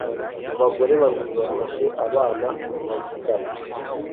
Abagore babiri bafashe abana bavugana